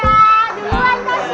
dadah duluan tos ya